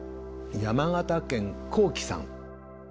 山形県こうきさん。